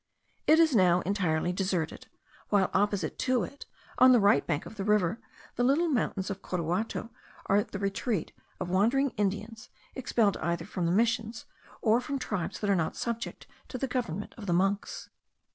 It is now entirely deserted, while opposite to it, on the right bank of the river, the little mountains of Coruato are the retreat of wandering Indians, expelled either from the Missions, or from tribes that are not subject to the government of the monks.